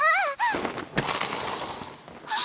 あっ！